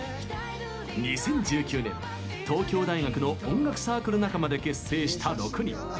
２０１９年、東京大学の音楽サークル仲間で結成した６人。